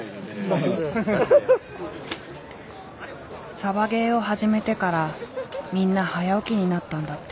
サバゲーを始めてからみんな早起きになったんだって。